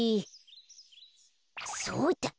そうだ！